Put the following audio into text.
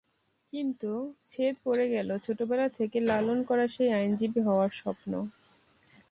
কিন্তু ছেদ পড়ে গেল ছোটবেলা থেকে লালন করা সেই আইনজীবী হওয়ার স্বপ্ন।